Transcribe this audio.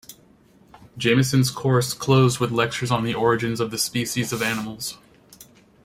Jameson's course closed with lectures on the "Origin of the Species of Animals".